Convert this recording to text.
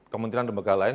kementerian lembaga lain